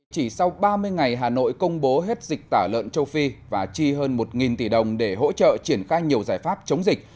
chỉ sau ba mươi ngày hà nội công bố hết dịch tả lợn châu phi và chi hơn một tỷ đồng để hỗ trợ triển khai nhiều giải pháp chống dịch